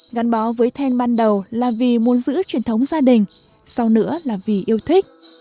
ngắn bó với then ban đầu là vì muốn giữ truyền thống gia đình sau nữa là vì yêu thích